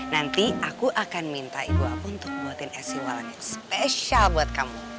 nanti aku akan minta ibu aku untuk buatin es si walang yang spesial buat kamu